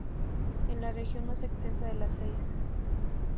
Es la región más extensa de las seis.